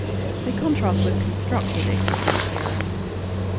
They contrast with "constructive" existence theorems.